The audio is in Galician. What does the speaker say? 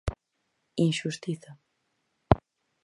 Inxustiza.